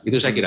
itu saya kira